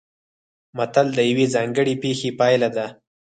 متل د یوې ځانګړې پېښې پایله ده